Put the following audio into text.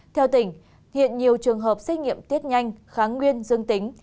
theo tỉnh hiện nhiều trường hợp xét nghiệm tuyết nhanh kháng nguyên dương tính